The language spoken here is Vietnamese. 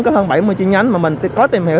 có hơn bảy mươi chi nhánh mà mình có tìm hiểu